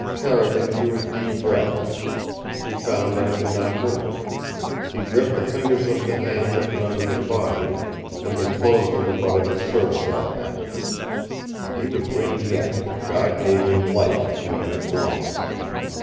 Carrigan drew a deep breath. He found that it did not hurt him. He gripped the fingers of the hand that was under his body, and they closed on the butt of his service automatic. He would win yet, if God gave him life a few minutes longer.